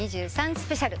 スペシャル。